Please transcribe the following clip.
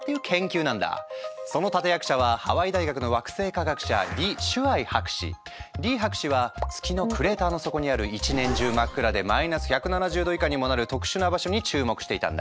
その立て役者はハワイ大学の惑星科学者リ博士は月のクレーターの底にある一年中真っ暗でマイナス１７０度以下にもなる特殊な場所に注目していたんだ。